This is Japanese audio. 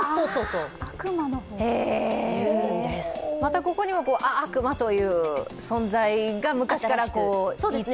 ここにも悪魔という存在が昔からいたわけ。